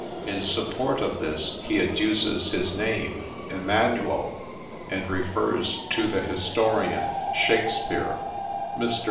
In support of this he adduces his name ' Emmanuel,' and refers to the historian Shakspear. Mr.